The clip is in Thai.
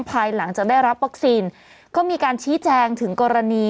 ภายหลังจากได้รับวัคซีนก็มีการชี้แจงถึงกรณี